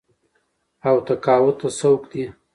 او تقاعد ته سوق دي